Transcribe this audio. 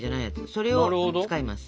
それを使います。